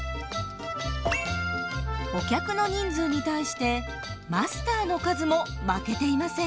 お客の人数に対してマスターの数も負けていません。